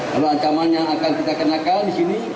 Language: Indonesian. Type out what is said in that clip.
lalu ancaman yang akan kita kenakan disini